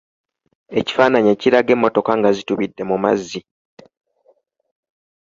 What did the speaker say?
Ekifaananyi ekiraga emmotoka nga zitubidde mu mazzi.